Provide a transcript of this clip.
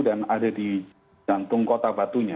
ada di jantung kota batunya